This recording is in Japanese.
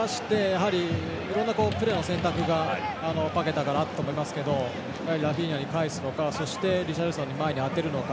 いろんなプレーの選択があったかなと思いますけどラフィーニャに返すのかリシャルリソンの前に当てるのか。